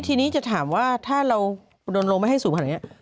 ทีนี้จะถามว่าถ้าเราโดนลงไม่ให้สูงขนาดนี้